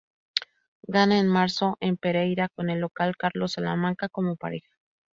Gana en marzo en Pereira con el local Carlos Salamanca como pareja.